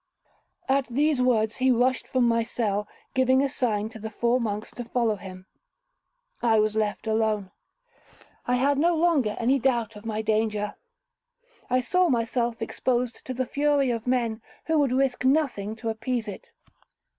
At these words he rushed from my cell, giving a sign to the four monks to follow him. I was left alone. I had no longer any doubt of my danger. I saw myself exposed to the fury of men who would risk nothing to appease it.